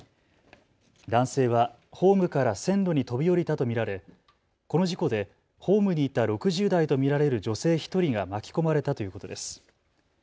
男性はホームから線路に飛び降りたと見られこの事故でホームにいた６０代と見られる女性１人が巻き込まれたということです。